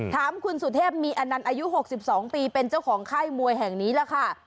ถามคุณสุเทพมีอันนั้นอายุ๖๒ปีเป็นเจ้าของไข้มวยแห่งนี้แหละค่ะ